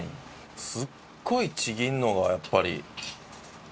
すっごいちぎるのがやっぱり慣れてはる。